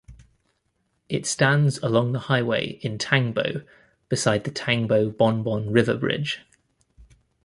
It stands along the highway in Tangbo beside the Tangbo-Bonbon River Bridge.